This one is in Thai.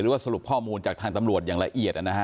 ว่าสรุปข้อมูลจากทางตำรวจอย่างละเอียดนะฮะ